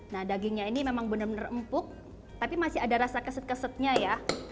nah dagingnya ini memang benar benar empuk tapi masih ada rasa keset kesetnya ya